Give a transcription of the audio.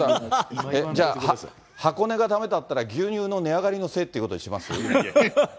じゃあ、箱根がだめだったら牛乳の値上がりのせいということにします？